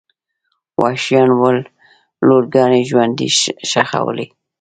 وحشیان ول لورګانې ژوندۍ ښخولې.